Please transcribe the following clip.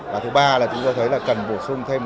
và thứ ba là chúng tôi thấy là cần bổ sung thêm